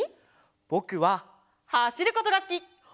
ぼくははしることがすき！